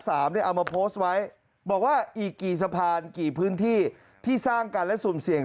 เอามาโพสต์ไว้บอกว่าอีกกี่สะพานกี่พื้นที่ที่สร้างกันและสุ่มเสี่ยง